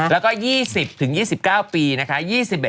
แล้วก็๒๐ถึง๒๙ปีนะคะ๒๑๘